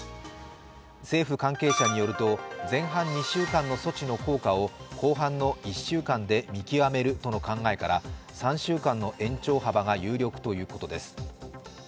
政府関係者によると前半２週間の措置の効果を後半の１週間で見極めるとの考えから３週間の延長幅が有力ということです。